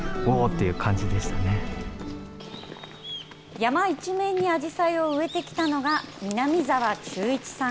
山一面にあじさいを植えてきたのが南澤忠一さん